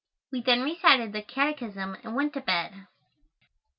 We then recited the catechism and went to bed.